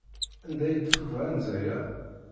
Anda ay d-tufa anza-a?